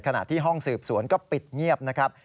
ขณะที่ห้องสืบสวนก็ปิดเงียบนะครับ